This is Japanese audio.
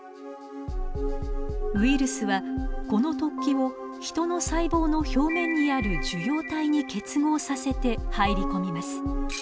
ウイルスはこの突起をヒトの細胞の表面にある受容体に結合させて入り込みます。